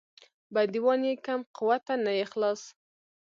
بندیوان یې کم قوته نه یې خلاص.